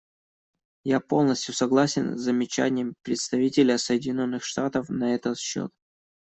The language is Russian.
Я полностью согласен с замечаниями представителя Соединенных Штатов на этот счет.